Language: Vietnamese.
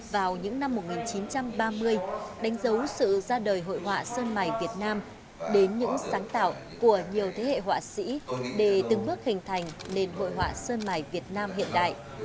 vào những năm một nghìn chín trăm ba mươi đánh dấu sự ra đời hội họa sơn mài việt nam đến những sáng tạo của nhiều thế hệ họa sĩ để từng bước hình thành nền hội họa sơn mài việt nam hiện đại